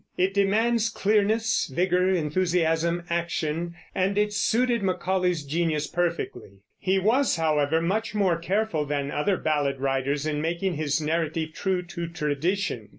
It demands clearness, vigor, enthusiasm, action; and it suited Macaulay's genius perfectly. He was, however, much more careful than other ballad writers in making his narrative true to tradition.